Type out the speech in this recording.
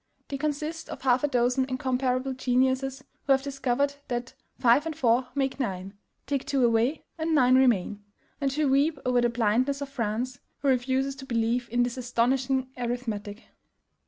They consist of half a dozen incomparable geniuses who have discovered that FIVE AND FOUR MAKE NINE; TAKE TWO AWAY, AND NINE REMAIN, and who weep over the blindness of France, who refuses to believe in this astonishing arithmetic.